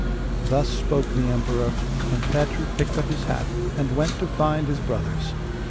Thus spoke the emperor, and Petru picked up his hat and went to find his brothers.